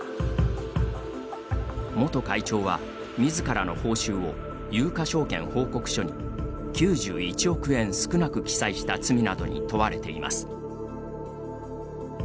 元会長は、みずからの報酬を有価証券報告書に９１億円少なく記載した罪などに問わています。